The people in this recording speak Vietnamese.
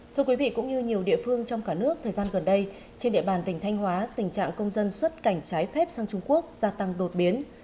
thưa quý vị cũng như nhiều địa phương trong cả nước thời gian gần đây trên địa bàn tỉnh thanh hóa tình trạng công dân xuất cảnh trái phép sang trung quốc gia tăng đột biến